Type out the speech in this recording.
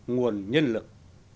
nguồn nhân lực